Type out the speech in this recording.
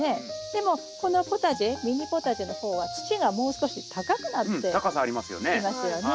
でもこのポタジェミニポタジェの方は土がもう少し高くなっていますよね。